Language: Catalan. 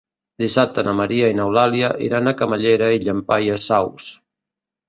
Dissabte na Maria i n'Eulàlia iran a Camallera i Llampaies Saus.